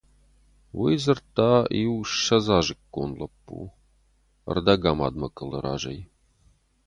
Уый дзырдта иу-ссӕдзазыккон лӕппу ӕрдӕгамад мӕкъуылы разӕй.